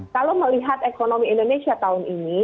kalau melihat ekonomi indonesia tahun ini